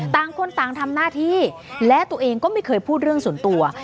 ต่างคนต่างทำหน้าที่และตัวเองก็ไม่เคยพูดเรื่องส่วนตัว